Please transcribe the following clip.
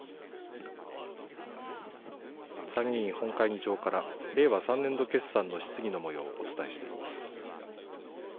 参議院本会議場から、令和３年度決算の質疑のもようをお伝えしています。